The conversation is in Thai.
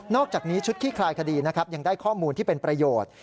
อกจากนี้ชุดขี้คลายคดีนะครับยังได้ข้อมูลที่เป็นประโยชน์